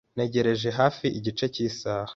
Ntegereje hafi igice cy'isaha.